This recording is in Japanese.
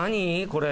これ。